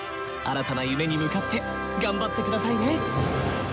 新たな夢に向かって頑張って下さいね。